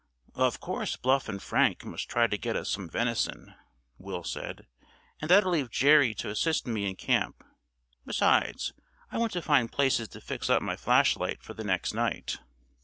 "Of course Bluff and Frank must try to get us some venison," Will said; "and that'll leave Jerry to assist me in camp. Besides, I want to find places to fix up my flashlight for the next night.